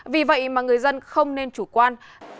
vì vậy mà người dân không nên chủ quan